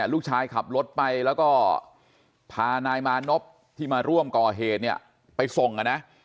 ขับรถไปแล้วก็พานายมานพที่มาร่วมก่อเหตุเนี่ยไปส่งอ่ะนะ